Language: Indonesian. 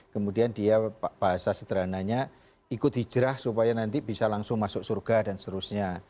kemudian dia bahasa sederhananya ikut hijrah supaya nanti bisa langsung masuk surga dan seterusnya